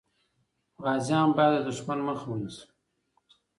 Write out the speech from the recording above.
غازیان باید د دښمن مخه ونیسي.